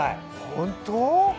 本当？